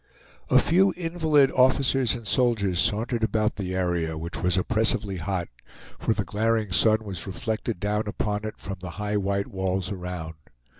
A few invalid officers and soldiers sauntered about the area, which was oppressively hot; for the glaring sun was reflected down upon it from the high white walls around.